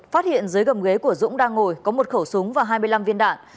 phát hiện dưới gầm ghế của dũng đang ngồi có một khẩu súng và hai mươi năm viên đạn